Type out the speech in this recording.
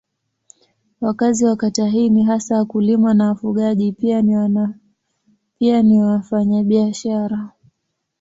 Wakazi wa kata hii ni hasa wakulima na wafugaji pia ni wafanyabiashara.